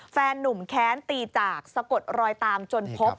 แฟนนุ่มแค้นตีจากสะกดรอยตามจนพบ